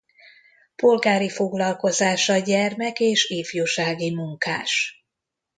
Polgári foglalkozása gyermek és ifjúsági munkás.